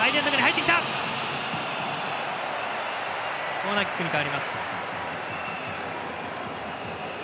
コーナーキックに変わります。